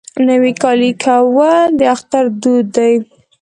نوی کالی کول د اختر دود دی.